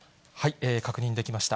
確認できました。